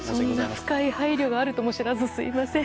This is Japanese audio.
深い配慮があるとも知らずすみません。